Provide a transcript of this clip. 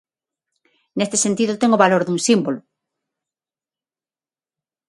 Neste sentido ten o valor dun símbolo.